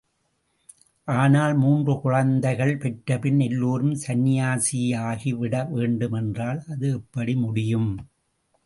ஆனால் மூன்று குழந்தைகள் பெற்றபின் எல்லோரும் சன்னியாசியாகிவிட வேண்டும் என்றால் அது எப்படி முடியும்?